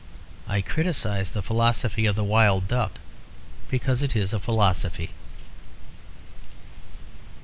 I criticise the philosophy of The Wild Duck because it is a philosophy."